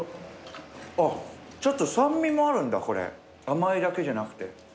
ちょっと酸味もあるんだこれ甘いだけじゃなくて。